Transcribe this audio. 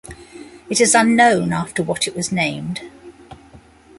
It is unknown after what it was named.